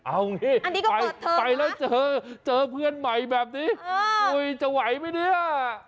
อันนี้ก็เปิดเทิปเหรอไปแล้วเจอเพื่อนใหม่แบบนี้จะไหวไหมเนี่ย